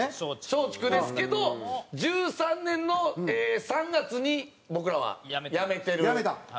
松竹ですけど２０１３年の３月に僕らは辞めてるんで。